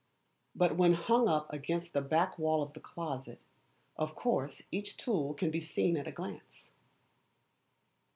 But when hung up against the back wall of the closet, of course each tool can be seen at a glance.